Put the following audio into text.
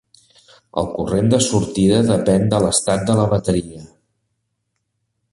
El corrent de sortida depèn de l'estat de la bateria.